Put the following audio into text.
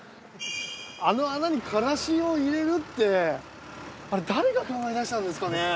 あの穴にからしを入れるってあれ誰が考え出したんですかね。